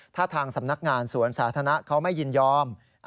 ถ้าทางสำนักงานสวนสาธารณะเขาไม่ยินยอม